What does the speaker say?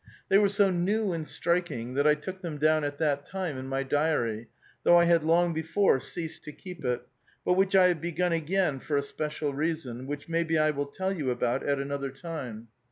They were so new and striking, that 1 took them down at that time in my diary, though I had long before ceased to keep it, but which I have bogun again for a special reason, which mavbe I will tell vou about at some other time.